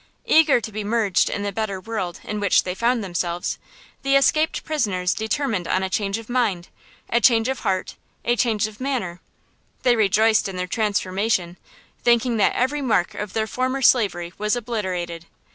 Eager to be merged in the better world in which they found themselves, the escaped prisoners determined on a change of mind, a change of heart, a change of manner. They rejoiced in their transformation, thinking that every mark of their former slavery was obliterated.